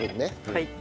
はい。